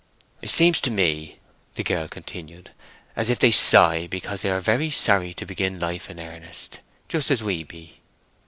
"It seems to me," the girl continued, "as if they sigh because they are very sorry to begin life in earnest—just as we be."